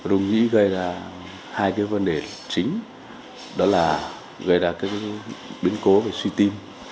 dung nhĩ gây ra hai vấn đề chính đó là gây ra biến cố về suy tim